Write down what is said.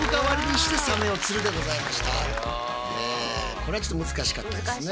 これはちょっと難しかったですね。